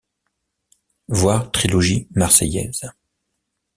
Voir Trilogie marseillaise.